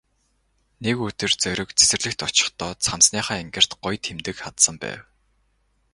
Нэг өдөр Зориг цэцэрлэгт очихдоо цамцныхаа энгэрт гоё тэмдэг хадсан байв.